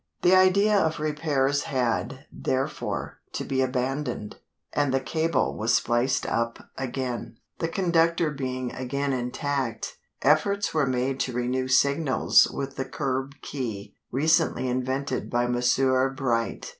The idea of repairs had, therefore, to be abandoned, and the cable was spliced up again. The conductor being again intact, efforts were made to renew signals with the curb key recently invented by Messrs. Bright.